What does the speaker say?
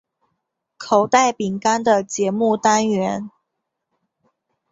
口袋饼干的节目单元。